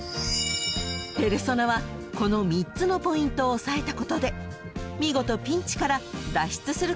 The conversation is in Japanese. ［ペルソナはこの３つのポイントを押さえたことで見事ピンチから脱出することに成功したんです］